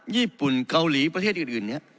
ญี่ปุ่นเกาหลีประเทศอื่นเนี่ย